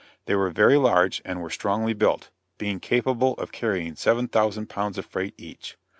They were very large and were strongly built, being capable of carrying seven thousand pounds of freight each.